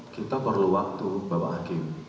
kita perlu waktu bapak hakim